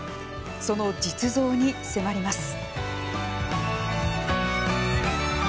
その実像に迫ります。